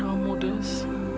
mencintai kamu des